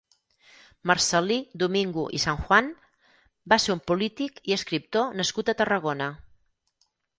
Marcel·lí Domingo i Sanjuan va ser un polític i escriptor nascut a Tarragona.